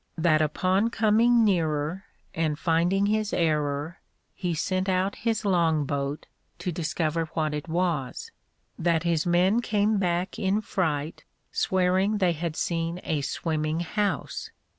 That upon coming nearer, and finding his error, he sent out his long boat, to discover what it was; that his men came back in fright, swearing they had seen a swimming house.